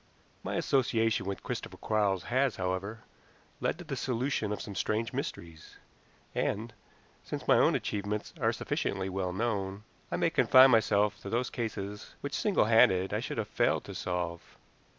My association with Christopher Quarles has, however, led to the solution of some strange mysteries, and, since my own achievements are sufficiently well known, I may confine myself to those cases which, single handed, I should have failed to solve.